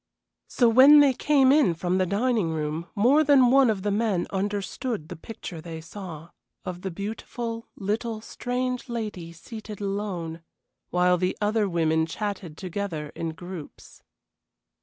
So when they came in from the dining room more than one of the men understood the picture they saw, of the beautiful, little, strange lady seated alone, while the other women chatted together in groups.